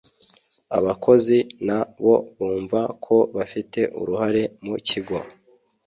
Abakozi na bo bumva ko bafite uruhare mu kigo